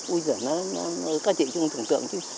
ui giời nó có chuyện chung tưởng tượng chứ